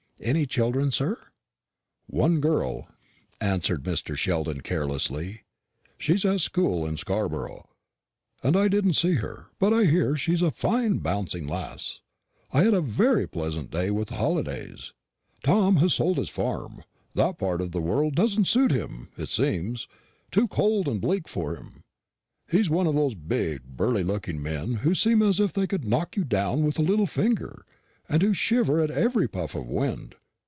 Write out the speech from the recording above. "Any children, sir?" "One girl," answered Mr. Sheldon carelessly. "She's at school in Scarborough, and I didn't see her; but I hear she's a fine bouncing lass. I had a very pleasant day with the Hallidays. Tom has sold his farm; that part of the world doesn't suit him, it seems too cold and bleak for him. He's one of those big burly looking men who seem as if they could knock you down with a little finger, and who shiver at every puff of wind.